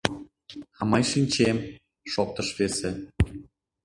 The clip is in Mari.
— А мый шинчем, — шоктыш весе.